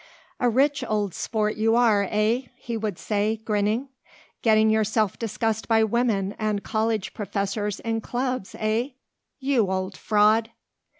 "A rich old sport you are, eh?" he would say, grinning. "Getting yourself discussed by women and college professors in clubs, eh? You old fraud!"